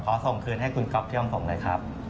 ขอส่งคืนให้คุณกลับที่ห้องของหน่อยครับ